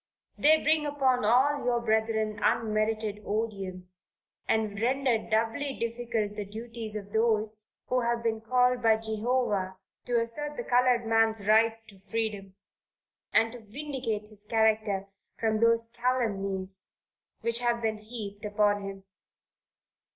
They bring upon all your brethren unmerited odium, and render doubly difficult the duties of those who have been called by Jehovah to assert the colored man's right to freedom, and to vindicate his character from those calumnies which have been heaped upon him.